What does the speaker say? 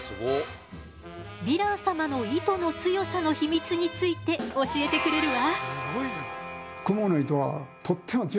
ヴィラン様の糸の強さの秘密について教えてくれるわ。